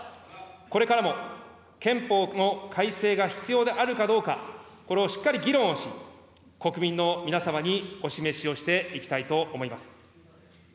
これからも憲法の改正が必要であるかどうか、これをしっかり議論をし、国民の皆様にお示しをしていきたいと思います。